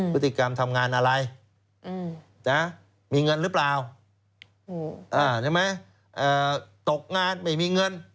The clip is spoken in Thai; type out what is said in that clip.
พฤติกรรมทำงานอะไรมีเงินหรือเปล่าใช่ไหมตกงานไม่มีเงิน